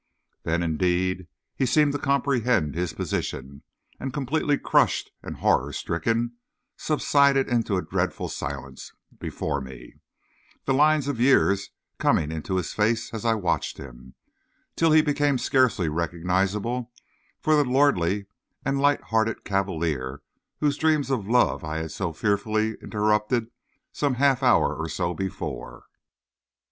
Then, indeed, he seemed to comprehend his position, and completely crushed and horror stricken, subsided into a dreadful silence before me, the lines of years coming into his face as I watched him, till he became scarcely recognizable for the lordly and light hearted cavalier whose dreams of love I had so fearfully interrupted some half hour or so before.